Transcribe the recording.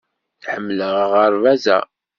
Ḥemmleɣ aɣerbaz-a.